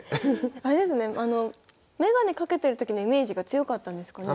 あれですねあの眼鏡かけてる時のイメージが強かったんですかね。